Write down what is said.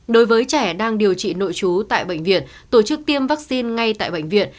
đối với trẻ đang điều trị nội trú tại bệnh viện tổ chức tiêm vaccine ngay tại bệnh viện